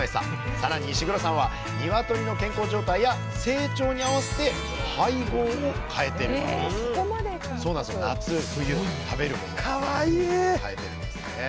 更に石黒さんは鶏の健康状態や成長に合わせて配合を変えてるんですえ